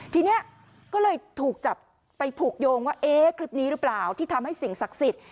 ทีนี้ก็เลยถูกจับไปผูกโยงว่าเอ๊ะคลิปนี้หรือเปล่าที่ทำให้สิ่งศักดิ์สิทธิ